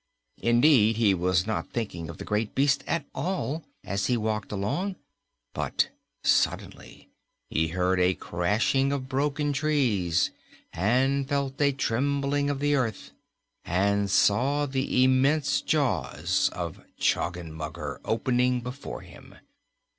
Indeed, he was not thinking of the Great Beast at all as he walked along, but suddenly he heard a crashing of broken trees and felt a trembling of the earth and saw the immense jaws of Choggenmugger opening before him.